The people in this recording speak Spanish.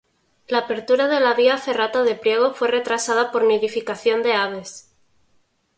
La apertura de la vía ferrata de Priego fue retrasada por nidificación de aves.